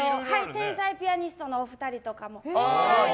天才ピアニストのお二人とかも。